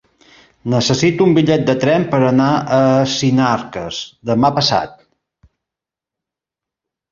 Necessito un bitllet de tren per anar a Sinarques demà passat.